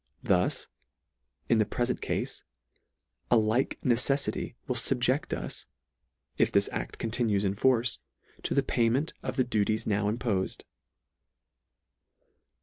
Thus, in the prefent cafe, a like necejjity will fubjecl: us, it this ad: continues in force, to the payment of the duties now impofed.